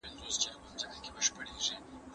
ملګرتیا او یووالی د جګړې مخه نیسي.